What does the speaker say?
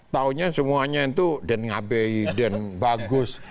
tahunya semuanya itu den ngabei den bagus